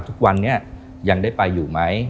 ทุกวันนี้ยังได้ไปอยู่ไหม